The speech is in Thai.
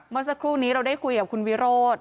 เมื่อสักครู่นี้เราได้คุยกับคุณวิโรธ